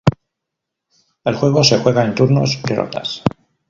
El juego se juega en turnos y rondas.